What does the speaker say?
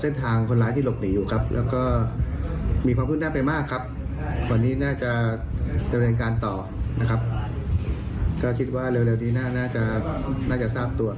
น่าจะเป็นมืออาชีพ